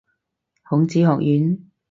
孔子學院